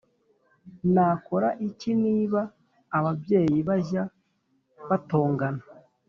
Nakora iki niba ababyeyi bajya batongana